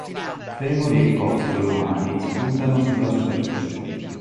Femori e costole umani spuntano sulla superficie.